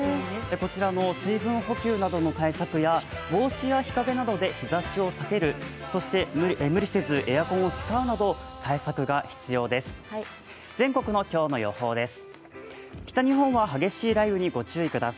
こちらの水分補給などの対策や帽子や日陰などで日ざしを避けるそして無理せずエアコンを使うなど対策が必要です。